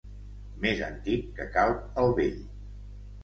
Més antic que Calp el Vell.